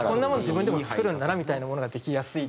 自分でも作るんだなみたいなものができやすい。